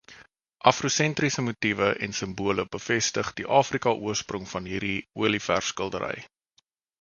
Afrosentriese motiewe en simbole bevestig die Afrika-oorsprong van hierdie olieverfskildery.